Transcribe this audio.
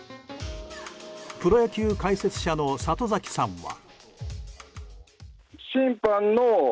プロ野球解説者の里崎さんは。